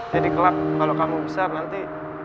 jadi kelak kalau kamu besar nanti